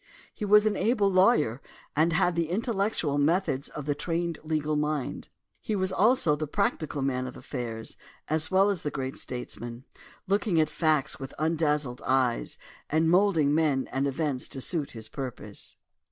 He was an able lawyer and had the intel lectual methods of the trained legal mind. He was also the practical man of affairs, as well as the great statesman, looking at facts with undazzled eyes and moulding men and events to suit his purpose.